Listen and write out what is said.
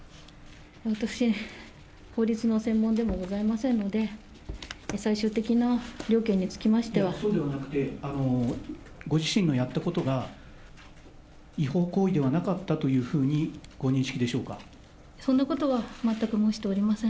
私、法律の専門でもございませんので、いや、そうではなくて、ご自身のやったことが違法行為ではなかったというふうに、ご認識そんなことは全く申しておりません。